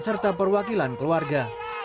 serta perwakilan keluarga